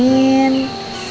aku akan menangis